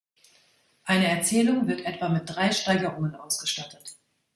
Eine Erzählung wird etwa mit drei Steigerungen ausgestattet.